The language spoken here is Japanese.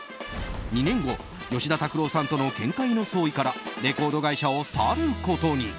２年後、吉田拓郎さんとの見解の相違からレコード会社を去ることに。